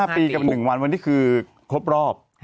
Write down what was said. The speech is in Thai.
๕ปีกับ๑วันวันนี้คือครบรอบ